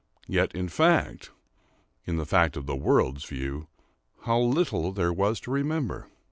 Yet in fact—in the fact of the world's view—how little was there to remember!